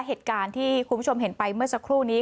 เหตุการณ์ที่คุณผู้ชมเห็นไปเมื่อสักครู่นี้